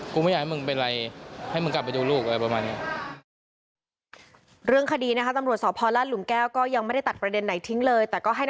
กูไม่อยากให้มึงเป็นไง